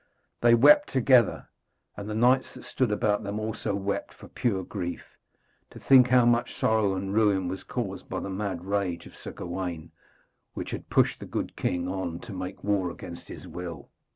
They wept together, and the knights that stood about them also wept for pure grief, to think how much sorrow and ruin was caused by the mad rage of Sir Gawaine, which had pushed the good king on to make war against his will.